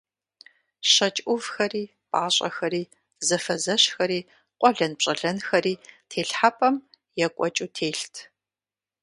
ЩэкӀ Ӏувхэри, пӀащӀэхэри, зэфэзэщхэри, къуэлэнпщӀэлэнхэри телхьэпӀэм екӀуэкӀыу телът.